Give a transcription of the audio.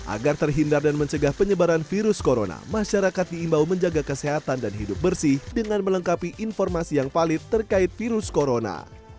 agar terhindar dan mencegah penyebaran virus corona masyarakat diimbau menjaga kesehatan dan hidup bersih dengan melengkapi informasi yang valid terkait virus corona